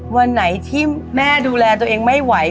วันไหนที่แม่ดูแลตัวเองไม่ไหว